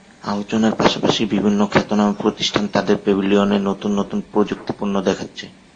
আলোচনার পাশাপাশি বিভিন্ন খ্যাতনামা প্রতিষ্ঠান তাদের প্যাভিলিয়নে নতুন নতুন প্রযুক্তিপণ্য দেখাচ্ছে।